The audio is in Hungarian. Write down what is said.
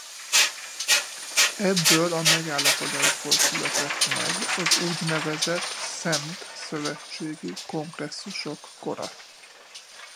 Ebből a megállapodásból született meg az úgynevezett szent szövetségi kongresszusok kora.